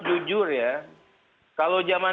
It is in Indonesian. jujur ya kalau zaman